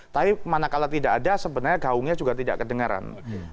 tapi manakala tidak ada sebenarnya gaungnya juga tidak kedengaran